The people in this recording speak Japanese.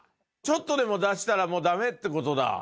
ちょっとでも出したらもうだめってことだ。